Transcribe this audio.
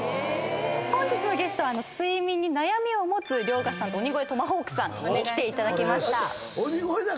本日のゲストは睡眠に悩みを持つ遼河さんと鬼越トマホークさんに来ていただきました。